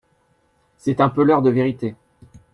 C’est un peu l’heure de vérité.